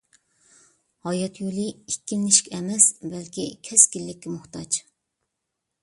ھايات يولى ئىككىلىنىشكە ئەمەس، بەلكى كەسكىنلىككە موھتاج!